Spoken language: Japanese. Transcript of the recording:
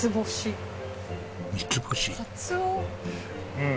うん。